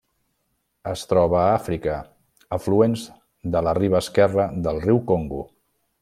Es troba a Àfrica: afluents de la riba esquerra del riu Congo.